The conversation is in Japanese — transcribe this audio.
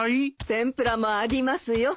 天ぷらもありますよ。